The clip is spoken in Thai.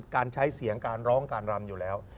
การใช้เสียงการร้องการรำอยู่แล้ว